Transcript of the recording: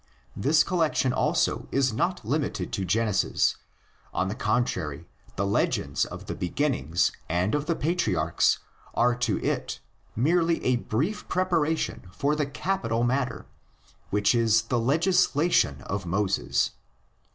This collection also is not limited to Genesis; on the con trary, the legends of the beginnings and of the patriarchs are to it merely a brief preparation for the capital matter, which is the legislation of Moses.